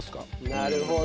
なるほど。